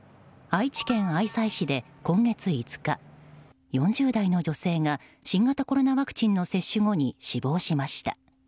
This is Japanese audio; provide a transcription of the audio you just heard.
愛知県愛西市で今月５日４０代の女性が新型コロナワクチンの接種後に死亡しました。